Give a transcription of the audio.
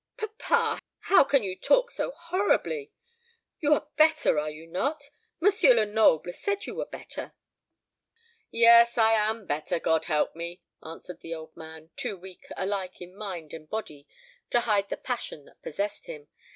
"Papa, how can you talk so horribly! You are better, are you not? M. Lenoble said you were better." "Yes, I am better, God help me!" answered the old man, too weak alike in mind and body to hide the passion that possessed, him.